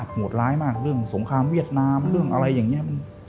โหดร้ายมากเรื่องสงครามเวียดนามเรื่องอะไรอย่างนี้